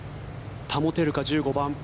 保てるか１５番。